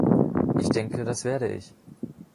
Ich denke, das werde ich.